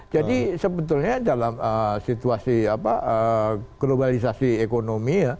jadi sebetulnya dalam situasi apa globalisasi ekonomi ya